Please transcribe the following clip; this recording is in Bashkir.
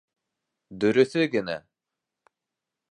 Дөрөҫө генә...